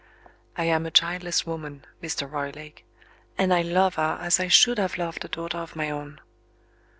I am a childless woman, Mr. Roylake and I love her as I should have loved a daughter of my own.